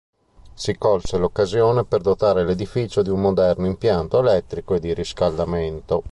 Si colse l'occasione per dotare l'edificio di un moderno impianto elettrico e di riscaldamento.